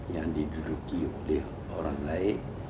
yang diduduki oleh orang lain